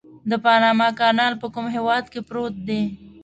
د پانامي کانال په کوم هېواد کې پروت دی؟